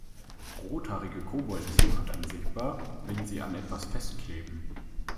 Rothaarige Kobolde sind nur dann sichtbar, wenn sie an etwas festkleben.